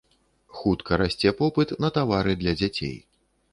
Хутка расце попыт на тавары для дзяцей.